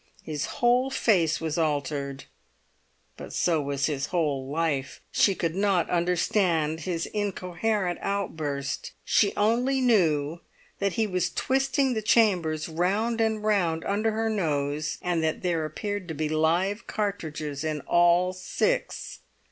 His whole face was altered; but so was his whole life. She could not understand his incoherent outburst; she only knew that he was twisting the chambers round and round under her nose, and that there appeared to be live cartridges in all six.